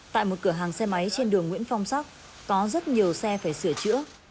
tại một cửa hàng xe máy trên đường nguyễn phong sắc có rất nhiều xe phải sửa chữa